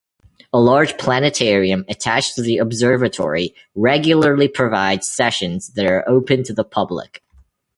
A large planetarium attached to the observatory regularly provides sessions that are open to the public.